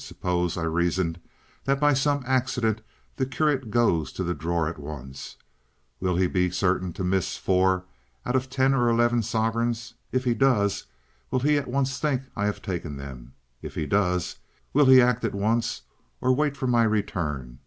Suppose, I reasoned, that by some accident the curate goes to that drawer at once: will he be certain to miss four out of ten or eleven sovereigns? If he does, will he at once think I have taken them? If he does, will he act at once or wait for my return?